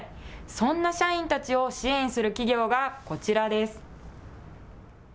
そんな社員たちを支援する企業がこちらです。